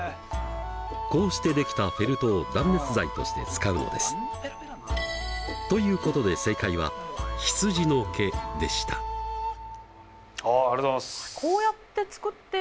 こうして出来たフェルトを断熱材として使うのです。ということではいありがとうございます。